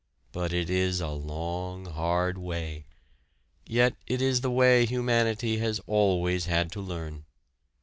But it is a long hard way. Yet it is the way humanity has always had to learn.